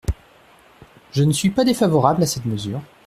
Je ne suis pas défavorable à cette mesure.